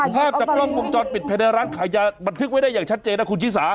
ภาพจากกล้องวงจรปิดภายในร้านขายยาบันทึกไว้ได้อย่างชัดเจนนะคุณชิสา